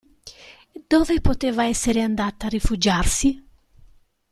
Dove poteva essere andata a rifugiarsi?